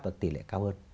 và tỷ lệ cao hơn